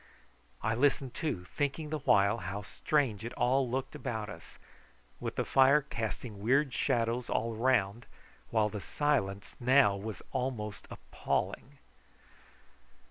I listened too, thinking the while how strange it all looked about us, with the fire casting weird shadows all around, while the silence now was almost appalling.